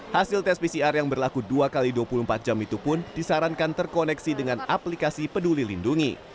hasil tes pcr yang berlaku dua x dua puluh empat jam itu pun disarankan terkoneksi dengan aplikasi peduli lindungi